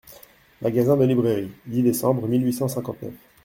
MAGASIN DE LIBRAIRIE, dix décembre mille huit cent cinquante-neuf.